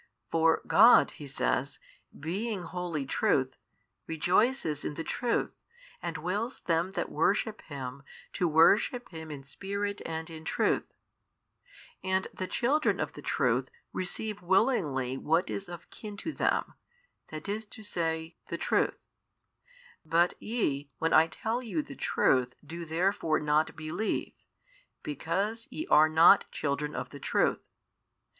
For God (He says) being wholly Truth, rejoices in the truth and wills them that worship Him, to worship Him in Spirit and in truth. And the children of the truth receive willingly what is of kin to them, i. e., the Truth. But YE when I tell you the truth do therefore not believe, because ye are not children of the truth.